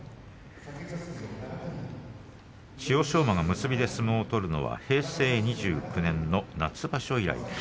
馬が結びで相撲を取るのは平成２９年の夏場所以来。